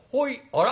あら？